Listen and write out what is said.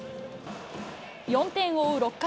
４点を追う６回。